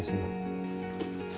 bagi warga di sini